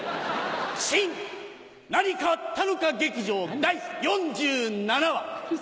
新何かあったのか劇場第４７話。